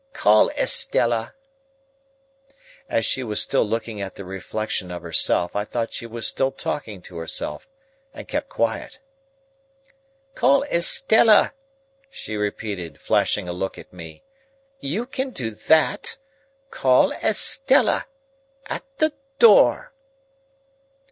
Call Estella." As she was still looking at the reflection of herself, I thought she was still talking to herself, and kept quiet. "Call Estella," she repeated, flashing a look at me. "You can do that. Call Estella. At the door."